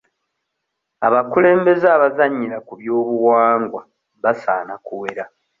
Abakulembeze abazannyira ku by'obuwangwa basaana kuwera.